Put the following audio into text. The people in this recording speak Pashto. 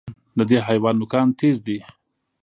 د دې حیوان نوکان تېز دي.